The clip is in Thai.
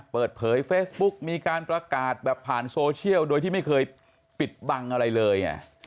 เปิดเผยเฟซบุ๊กมีการประกาศแบบผ่านโซเชียลโดยที่ไม่เคยปิดบังอะไรเลย